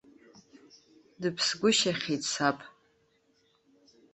Дыԥсгәышьахьеит саб.